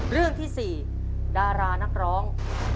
เรื่องที่๔ดารานักร้อง